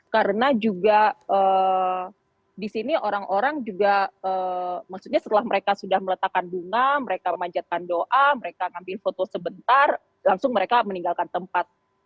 karena juga di sini orang orang juga maksudnya setelah mereka sudah meletakkan bunga mereka memanjatkan doa mereka mengambil foto sebentar langsung mereka meninggalkan tempat